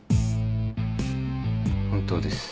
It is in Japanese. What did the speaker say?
本当です。